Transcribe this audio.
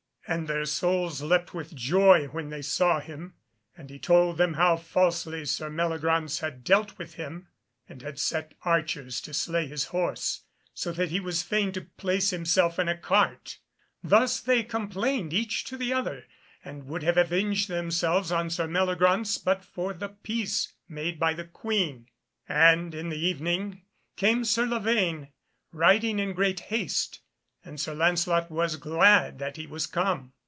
And their souls leapt with joy when they saw him, and he told them how falsely Sir Meliagraunce had dealt with him, and had set archers to slay his horse, so that he was fain to place himself in a cart. Thus they complained each to the other, and would have avenged themselves on Sir Meliagraunce but for the peace made by the Queen. And in the evening came Sir Lavaine, riding in great haste, and Sir Lancelot was glad that he was come.